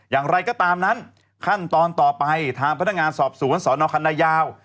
อย่างไรก็ตามนั้นขั้นตอนต่อไปทางพนักงานสอบสวนสนคันนายาว